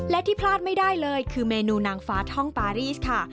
และที่พลาดไม่ได้เลยคือเมนูนางฟ้าท่องปารีสค่ะ